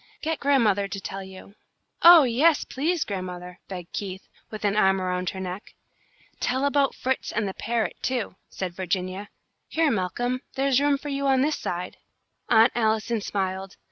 Get grandmother to tell you." "Oh, yes, please, grandmother," begged Keith, with an arm around her neck. "Tell about Fritz and the parrot, too," said Virginia. "Here, Malcolm, there's room on this side for you." Aunt Allison smiled.